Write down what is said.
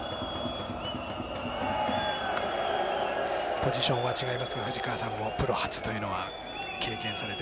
ポジションは違いますが藤川さんもプロ初というのは経験されて。